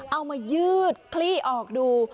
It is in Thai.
เอามายืดคลี่ออกดู